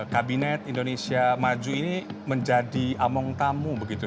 kabinet indonesia maju ini menjadi among tamu begitu